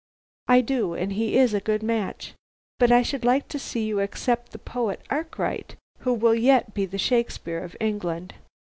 "I do, and he is a good match. But I should like to see you accept the Poet Arkwright, who will yet be the Shakespeare of England."